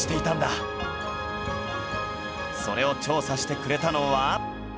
それを調査してくれたのは